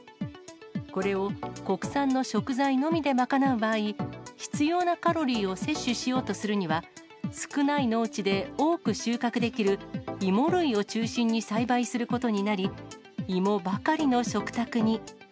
これを国産の食材のみで賄う場合、必要なカロリーを摂取しようとするには、少ない農地で多く収穫できるいも類を中心に栽培することになり、いもばかりの食卓に。